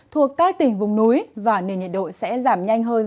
thuộc các tỉnh vùng núi và nền nhiệt độ sẽ giảm nhanh hơn